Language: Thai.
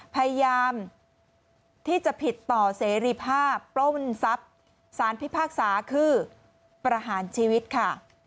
พยายามที่จะผิดต่อเสรีภาพปล้นทรัพย์สารพิพากษาคือประหารชีวิตค่ะ